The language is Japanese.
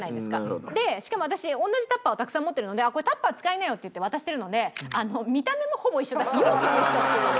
でしかも私同じタッパーをたくさん持っているのでこれタッパー使いなよって言って渡しているので見た目もほぼ一緒だし容器も一緒っていう。